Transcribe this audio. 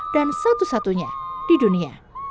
dan satu satunya di dunia